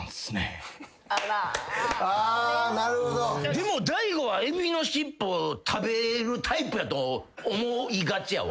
でも大悟はエビの尻尾食べるタイプやと思いがちやわ。